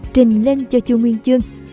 trình lên cho chùa nguyên chương